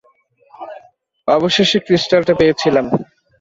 অবশেষে ক্রিস্টালটা পেয়েছিলাম।